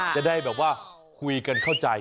จะได้แบบว่าคุยกันเข้าใจ